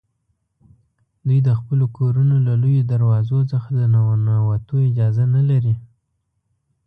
دوی د خپلو کورونو له لویو دروازو څخه د ننوتو اجازه نه لري.